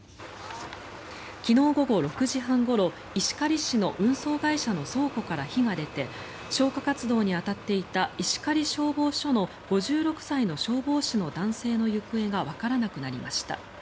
昨日午後６時半ごろ石狩市の運送会社の倉庫から火が出て消火活動に当たっていた石狩消防署の５６歳の消防士の男性の行方がわからなくなりました。